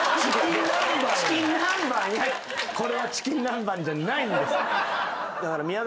「これはチキン南蛮じゃないんです」